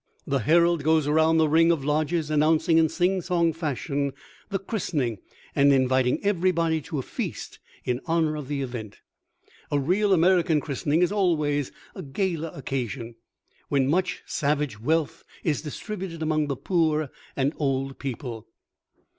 The herald goes around the ring of lodges announcing in singsong fashion the christening, and inviting everybody to a feast in honor of the event. A real American christening is always a gala occasion, when much savage wealth is distributed among the poor and old people.